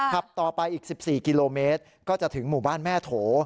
ขับต่อไปอีก๑๔กิโลเมตรก็จะถึงหมู่บ้านแม่โถ